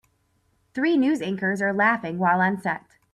Three news anchors are laughing while on set.